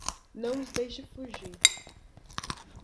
Não os deixe fugir!